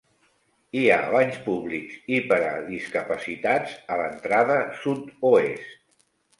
Hi ha banys públics i per a discapacitats a l'entrada sud-oest.